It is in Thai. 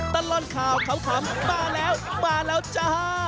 ตลอดข่าวขำมาแล้วมาแล้วจ้า